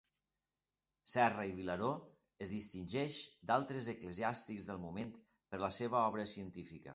Serra i Vilaró es distingeix d’altres eclesiàstics del moment per la seva obra científica.